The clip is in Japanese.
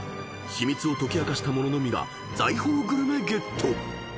［秘密を解き明かした者のみが財宝グルメゲット］